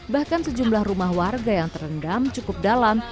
bahkan sejumlah rumah warga yang terendam cukup dalam